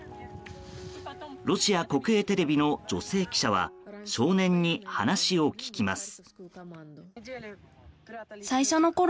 ロシア国営テレビの女性記者は少年に話を聞きます。